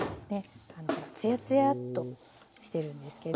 つやつやとしてるんですけど。